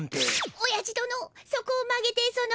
おやじ殿そこを曲げてその。